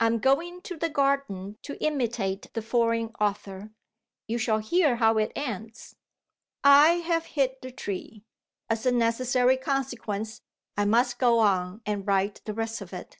I am going into the garden to imitate the foreign author. You shall hear how it ends. I have hit the tree. As a necessary consequence, I must go on and write the rest of it.